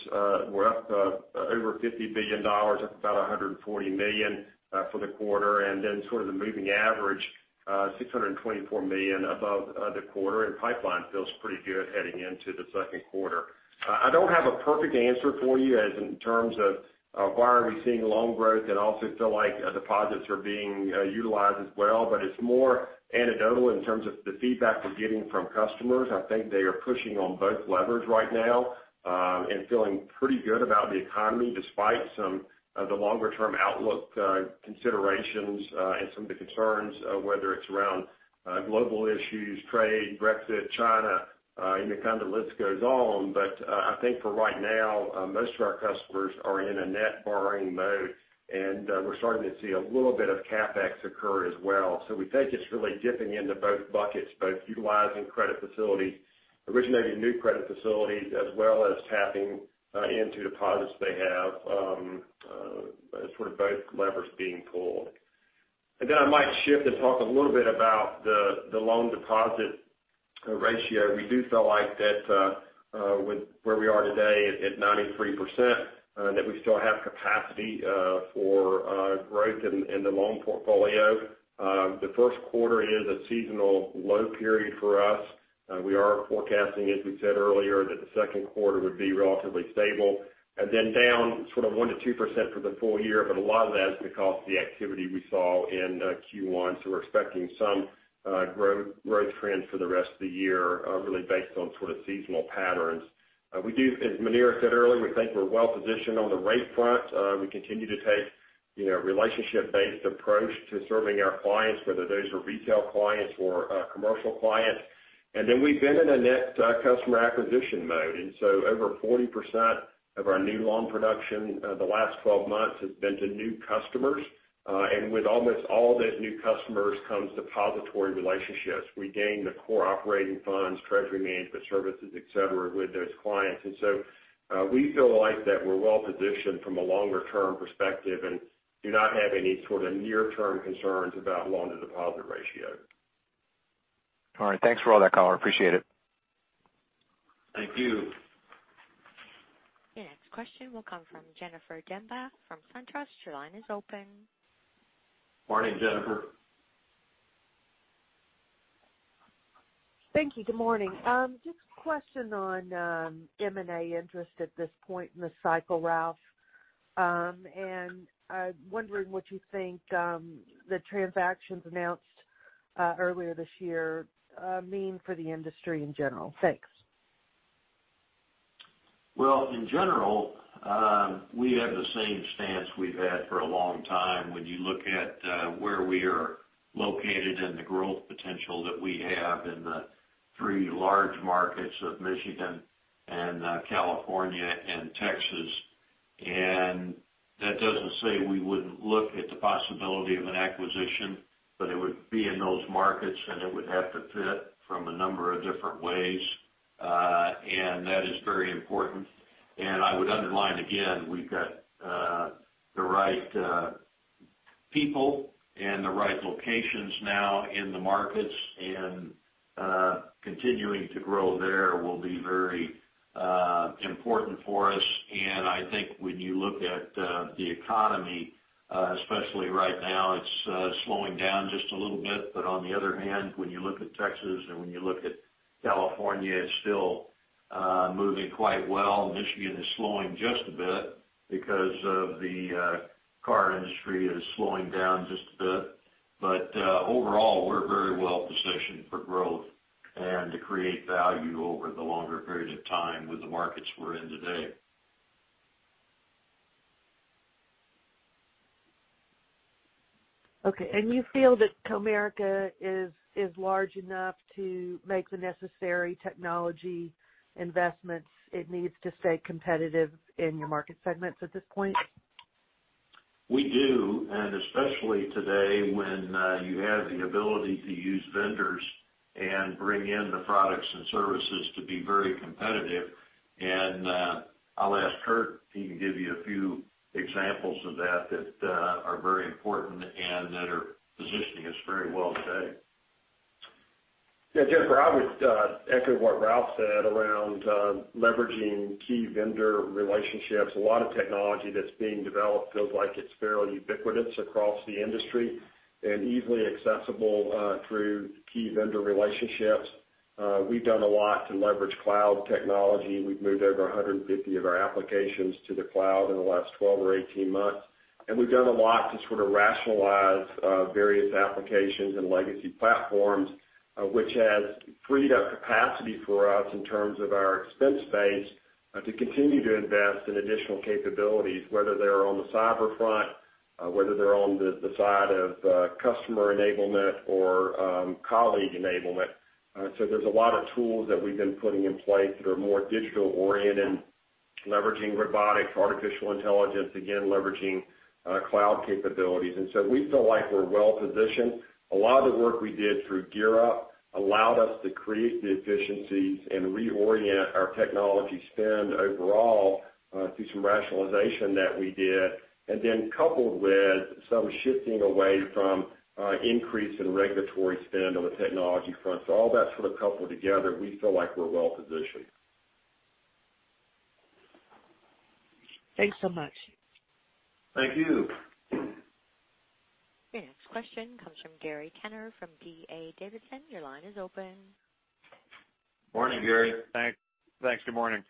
Speaker 11: We're up over $50 billion, up about $140 million for the quarter. The moving average, $624 million above the quarter. Pipeline feels pretty good heading into the second quarter. I don't have a perfect answer for you as in terms of why are we seeing loan growth and also feel like deposits are being utilized as well, it's more anecdotal in terms of the feedback we're getting from customers. They are pushing on both levers right now, feeling pretty good about the economy despite some of the longer-term outlook considerations and some of the concerns, whether it's around global issues, trade, Brexit, China, the list goes on. For right now, most of our customers are in a net borrowing mode, and we're starting to see a little bit of CapEx occur as well. We think it's really dipping into both buckets, both utilizing credit facilities, originating new credit facilities, as well as tapping into deposits they have, both levers being pulled. I might shift and talk a little bit about the loan deposit ratio. We do feel like that with where we are today at 93%, that we still have capacity for growth in the loan portfolio. The first quarter is a seasonal low period for us. We are forecasting, as we said earlier, that the second quarter would be relatively stable. Down 1%-2% for the full year, a lot of that is because of the activity we saw in Q1. We're expecting some growth trends for the rest of the year really based on seasonal patterns. As Maneera said earlier, we think we're well-positioned on the rate front. We continue to take a relationship-based approach to serving our clients, whether those are retail clients or commercial clients. We've been in a net customer acquisition mode. Over 40% of our new loan production the last 12 months has been to new customers. With almost all those new customers comes depository relationships. We gain the core operating funds, treasury management services, et cetera, with those clients. We feel like that we're well-positioned from a longer-term perspective and do not have any near-term concerns about loan-to-deposit ratio.
Speaker 12: All right. Thanks for all that, color. Appreciate it.
Speaker 3: Thank you.
Speaker 1: The next question will come from Jennifer Demba from SunTrust. Your line is open.
Speaker 3: Morning, Jennifer.
Speaker 13: Thank you. Good morning. Just a question on M&A interest at this point in the cycle, Ralph. I'm wondering what you think the transactions announced earlier this year mean for the industry in general. Thanks.
Speaker 3: Well, in general, we have the same stance we've had for a long time when you look at where we are located and the growth potential that we have in the three large markets of Michigan and California and Texas. That doesn't say we wouldn't look at the possibility of an acquisition, it would be in those markets, and it would have to fit from a number of different ways. That is very important. I would underline again, we've got the right people and the right locations now in the markets, and continuing to grow there will be very important for us. I think when you look at the economy, especially right now, it's slowing down just a little bit. On the other hand, when you look at Texas and when you look at California, it's still moving quite well. Michigan is slowing just a bit because of the car industry is slowing down just a bit. Overall, we're very well-positioned for growth and to create value over the longer period of time with the markets we're in today.
Speaker 13: Okay. You feel that Comerica is large enough to make the necessary technology investments it needs to stay competitive in your market segments at this point?
Speaker 3: We do, especially today when you have the ability to use vendors and bring in the products and services to be very competitive. I'll ask Curt if he can give you a few examples of that are very important and that are positioning us very well today.
Speaker 11: Yeah, Jennifer, I would echo what Ralph said around leveraging key vendor relationships. A lot of technology that's being developed feels like it's fairly ubiquitous across the industry and easily accessible through key vendor relationships. We've done a lot to leverage cloud technology. We've moved over 150 of our applications to the cloud in the last 12 or 18 months. We've done a lot to rationalize various applications and legacy platforms, which has freed up capacity for us in terms of our expense base to continue to invest in additional capabilities, whether they're on the cyber front, whether they're on the side of customer enablement or colleague enablement. There's a lot of tools that we've been putting in place that are more digital-oriented, leveraging robotics, artificial intelligence, again, leveraging cloud capabilities. We feel like we're well positioned. A lot of the work we did through GEAR Up allowed us to create the efficiencies and reorient our technology spend overall through some rationalization that we did. Coupled with some shifting away from increase in regulatory spend on the technology front. All that coupled together, we feel like we're well positioned.
Speaker 13: Thanks so much.
Speaker 3: Thank you.
Speaker 1: Your next question comes from Gary Tenner from D.A. Davidson. Your line is open.
Speaker 3: Morning, Gary.
Speaker 14: Thanks. Good morning.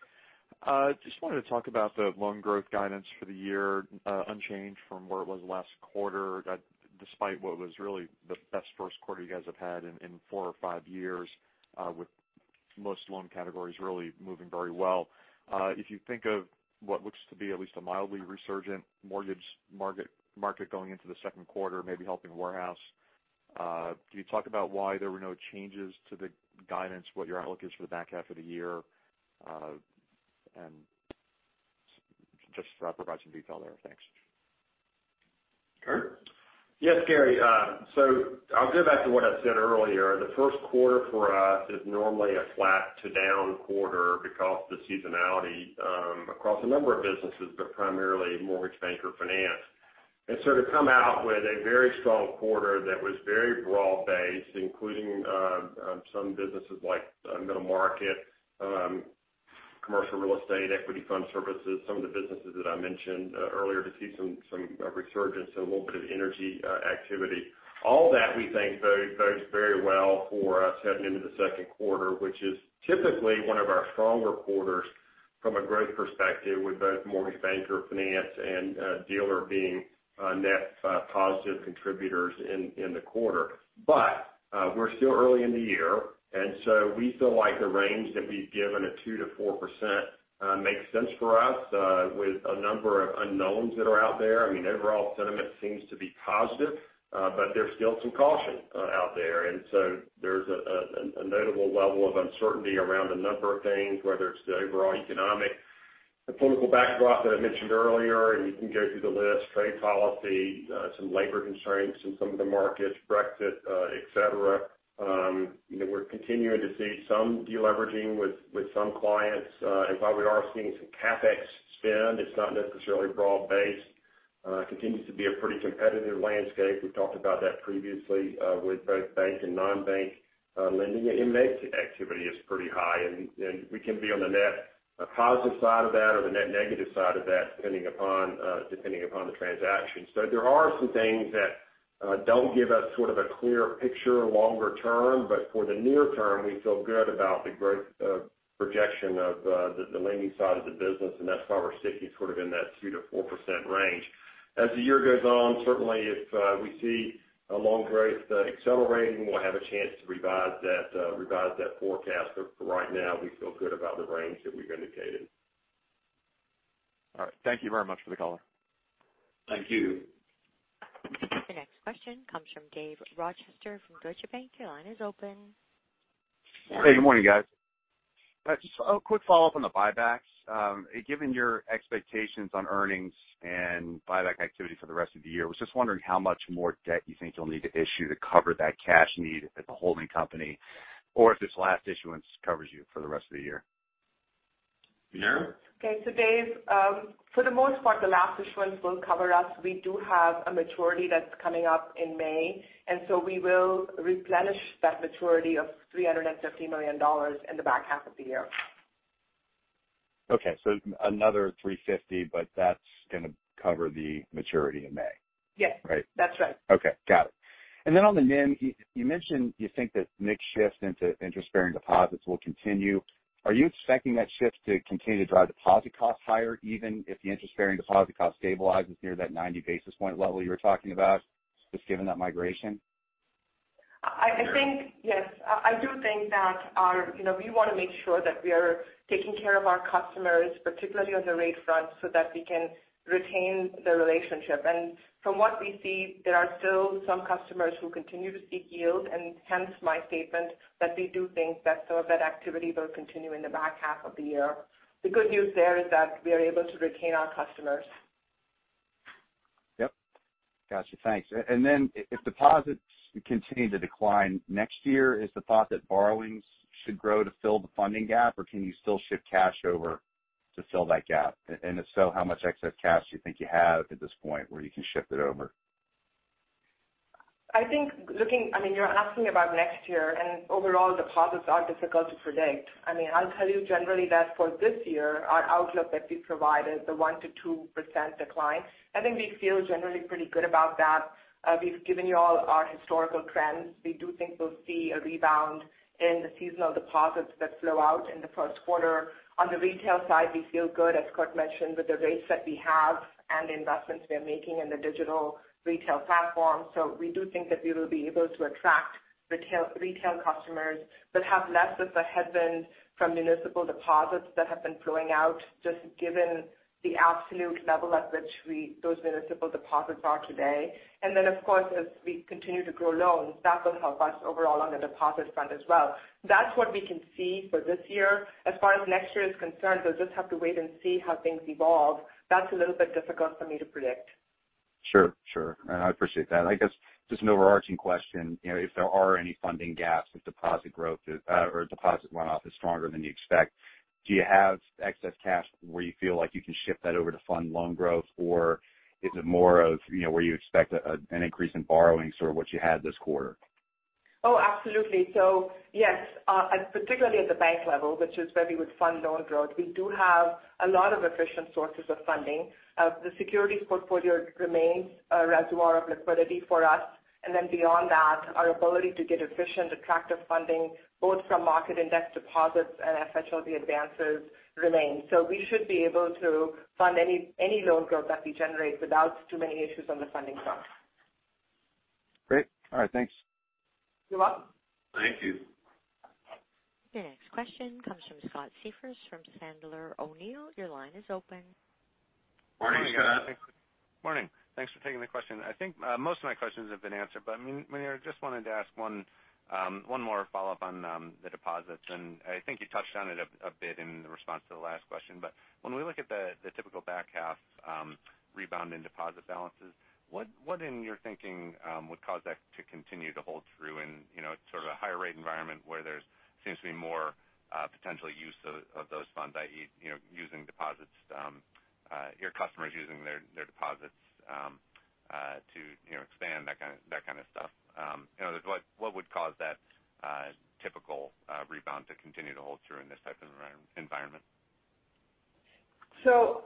Speaker 14: Just wanted to talk about the loan growth guidance for the year, unchanged from where it was last quarter, despite what was really the best first quarter you guys have had in four or five years, with most loan categories really moving very well. If you think of what looks to be at least a mildly resurgent mortgage market going into the second quarter, maybe helping warehouse. Can you talk about why there were no changes to the guidance, what your outlook is for the back half of the year, and just provide some detail there. Thanks.
Speaker 3: Curt?
Speaker 11: Yes, Gary. I'll go back to what I said earlier. The first quarter for us is normally a flat to down quarter because the seasonality across a number of businesses, but primarily mortgage banker finance. To come out with a very strong quarter that was very broad-based, including some businesses like middle market, commercial real estate, equity fund services, some of the businesses that I mentioned earlier to see some resurgence and a little bit of energy activity. All that we think bodes very well for us heading into the second quarter, which is typically one of our stronger quarters from a growth perspective with both mortgage banker finance and dealer being net positive contributors in the quarter. We're still early in the year, we feel like the range that we've given, a 2%-4%, makes sense for us, with a number of unknowns that are out there. Overall sentiment seems to be positive, but there's still some caution out there. There's a notable level of uncertainty around a number of things, whether it's the overall economic and political backdrop that I mentioned earlier, and you can go through the list, trade policy, some labor constraints in some of the markets, Brexit, et cetera. We're continuing to see some de-leveraging with some clients. While we are seeing some CapEx spend, it's not necessarily broad based. Continues to be a pretty competitive landscape. We've talked about that previously with both bank and non-bank lending. M&A activity is pretty high, we can be on the net positive side of that or the net negative side of that, depending upon the transaction. There are some things that don't give us sort of a clear picture longer term, but for the near term, we feel good about the growth projection of the lending side of the business, and that's why we're sticking sort of in that 2%-4% range. As the year goes on, certainly if we see a loan growth accelerating, we'll have a chance to revise that forecast. For right now, we feel good about the range that we've indicated.
Speaker 14: All right. Thank you very much for the color.
Speaker 11: Thank you.
Speaker 1: The next question comes from David Rochester from Deutsche Bank. Your line is open.
Speaker 15: Hey, good morning, guys. Just a quick follow-up on the buybacks. Given your expectations on earnings and buyback activity for the rest of the year, was just wondering how much more debt you think you'll need to issue to cover that cash need at the holding company, or if this last issuance covers you for the rest of the year.
Speaker 11: Munira?
Speaker 4: Okay. Dave, for the most part, the last issuance will cover us. We do have a maturity that's coming up in May, we will replenish that maturity of $350 million in the back half of the year.
Speaker 15: Okay, another $350, that's going to cover the maturity in May.
Speaker 4: Yes.
Speaker 15: Right.
Speaker 4: That's right.
Speaker 15: Okay. Got it. On the NIM, you mentioned you think that mix shift into interest-bearing deposits will continue. Are you expecting that shift to continue to drive deposit costs higher, even if the interest-bearing deposit cost stabilizes near that 90 basis point level you were talking about, just given that migration?
Speaker 4: I think yes. I do think that we want to make sure that we are taking care of our customers, particularly on the rate front, so that we can retain the relationship. From what we see, there are still some customers who continue to seek yield, and hence my statement that we do think that some of that activity will continue in the back half of the year. The good news there is that we are able to retain our customers.
Speaker 15: Yep. Got you. Thanks. If deposits continue to decline next year, is the thought that borrowings should grow to fill the funding gap, or can you still shift cash over to fill that gap? If so, how much excess cash do you think you have at this point where you can shift it over?
Speaker 4: I think you're asking about next year. Overall deposits are difficult to predict. I'll tell you generally that for this year, our outlook that we provided, the 1%-2% decline, I think we feel generally pretty good about that. We've given you all our historical trends. We do think we'll see a rebound in the seasonal deposits that flow out in the first quarter. On the retail side, we feel good, as Scott mentioned, with the rates that we have and the investments we are making in the digital retail platform. We do think that we will be able to attract retail customers that have less of a headwind from municipal deposits that have been flowing out, just given the absolute level at which those municipal deposits are today. Of course, as we continue to grow loans, that will help us overall on the deposit front as well. That's what we can see for this year. As far as next year is concerned, we'll just have to wait and see how things evolve. That's a little bit difficult for me to predict.
Speaker 15: Sure. I appreciate that. I guess just an overarching question, if there are any funding gaps with deposit growth or deposit runoff is stronger than you expect, do you have excess cash where you feel like you can shift that over to fund loan growth? Or is it more of where you expect an increase in borrowings or what you had this quarter?
Speaker 4: Yes, particularly at the bank level, which is where we would fund loan growth, we do have a lot of efficient sources of funding. The securities portfolio remains a reservoir of liquidity for us. Beyond that, our ability to get efficient, attractive funding both from market index deposits and FHLB advances remains. We should be able to fund any loan growth that we generate without too many issues on the funding front.
Speaker 15: Great. All right. Thanks.
Speaker 4: You're welcome.
Speaker 11: Thank you.
Speaker 1: Your next question comes from Scott Siefers from Sandler O'Neill. Your line is open.
Speaker 11: Morning, Scott.
Speaker 16: Morning. Thanks for taking the question. I think most of my questions have been answered, Muneera, just wanted to ask one more follow-up on the deposits, I think you touched on it a bit in the response to the last question. When we look at the typical back half rebound in deposit balances, what in your thinking would cause that to continue to hold true in sort of a higher rate environment where there seems to be more potential use of those funds, i.e. your customers using their deposits to expand, that kind of stuff. What would cause that typical rebound to continue to hold true in this type of environment?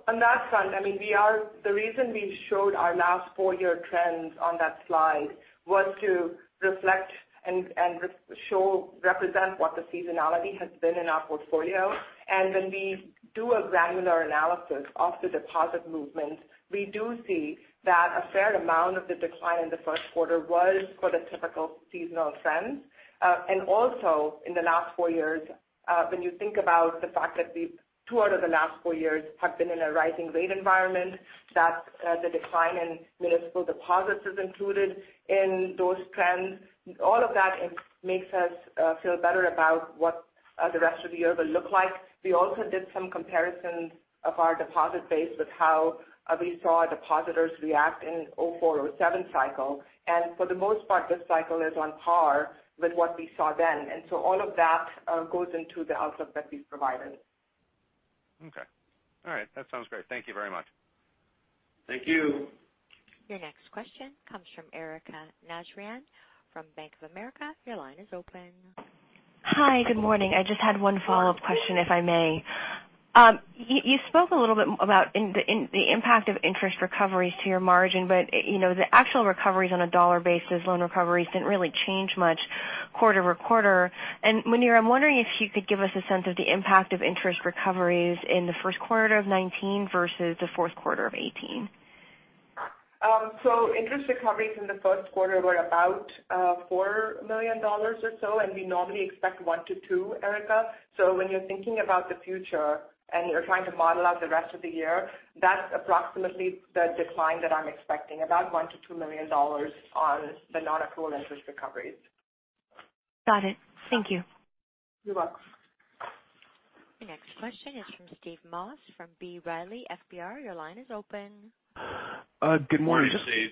Speaker 4: On that front, the reason we showed our last four-year trends on that slide was to reflect and represent what the seasonality has been in our portfolio. When we do a granular analysis of the deposit movement, we do see that a fair amount of the decline in the first quarter was for the typical seasonal trends. Also in the last four years, when you think about the fact that two out of the last four years have been in a rising rate environment, that the decline in municipal deposits is included in those trends. All of that makes us feel better about what the rest of the year will look like. We also did some comparisons of our deposit base with how we saw depositors react in 2004, 2007 cycle. For the most part, this cycle is on par with what we saw then. All of that goes into the outlook that we've provided.
Speaker 16: Okay. All right. That sounds great. Thank you very much.
Speaker 3: Thank you.
Speaker 1: Your next question comes from Erika Najarian from Bank of America. Your line is open.
Speaker 6: Hi. Good morning. I just had one follow-up question, if I may. You spoke a little bit about the impact of interest recoveries to your margin, but the actual recoveries on a dollar basis, loan recoveries, didn't really change much quarter-over-quarter. Muneera, I'm wondering if you could give us a sense of the impact of interest recoveries in the first quarter of 2019 versus the fourth quarter of 2018.
Speaker 4: Interest recoveries in the first quarter were about $4 million or so, and we normally expect one to two, Erika. When you're thinking about the future and you're trying to model out the rest of the year, that's approximately the decline that I'm expecting, about $1 million to $2 million on the non-accrual interest recoveries.
Speaker 6: Got it. Thank you.
Speaker 4: You're welcome.
Speaker 1: The next question is from Steve Moss from B. Riley FBR. Your line is open.
Speaker 17: Good morning.
Speaker 3: Good morning, Steve.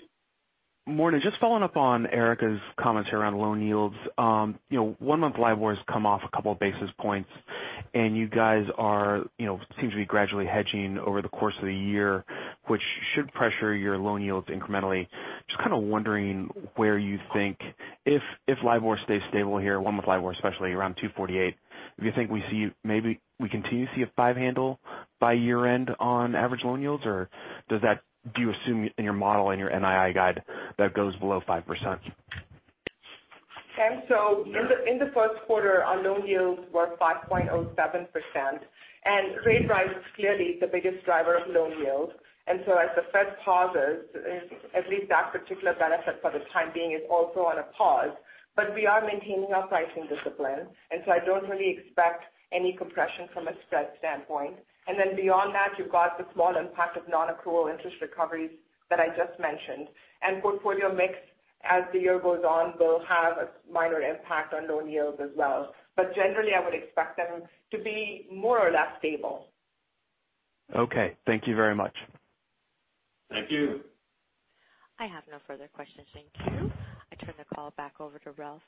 Speaker 17: Morning. Just following up on Erika's comments here around loan yields. One-month LIBOR has come off a couple of basis points, you guys seem to be gradually hedging over the course of the year, which should pressure your loan yields incrementally. Just kind of wondering where you think, if LIBOR stays stable here, one-month LIBOR especially, around 248, do you think maybe we continue to see a five handle by year-end on average loan yields, do you assume in your model, in your NII guide, that goes below 5%?
Speaker 4: In the first quarter, our loan yields were 5.07%, and rate rise is clearly the biggest driver of loan yield. As the Fed pauses, at least that particular benefit for the time being is also on a pause. We are maintaining our pricing discipline. I don't really expect any compression from a spread standpoint. Beyond that, you've got the small impact of non-accrual interest recoveries that I just mentioned. Portfolio mix, as the year goes on, will have a minor impact on loan yields as well. Generally, I would expect them to be more or less stable.
Speaker 17: Thank you very much.
Speaker 3: Thank you.
Speaker 1: I have no further questions. Thank you. I turn the call back over to Ralph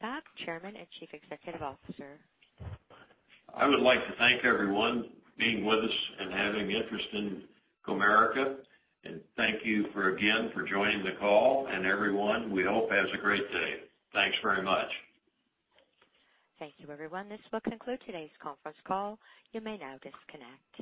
Speaker 1: Babb, Chairman and Chief Executive Officer.
Speaker 3: I would like to thank everyone being with us and having interest in Comerica, and thank you again for joining the call. Everyone, we hope has a great day. Thanks very much.
Speaker 1: Thank you, everyone. This will conclude today's conference call. You may now disconnect.